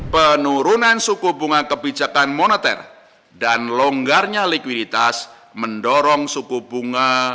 penurunan suku bunga kebijakan moneter dan longgarnya likuiditas mendorong suku bunga